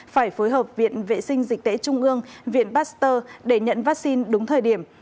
phải phối hợp viện vệ sinh dịch tễ trung ương viện pasteur để nhận vaccine đúng thời điểm